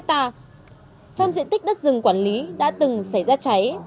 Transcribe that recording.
trong diện tích đất rừng quản lý đã từng xảy ra cháy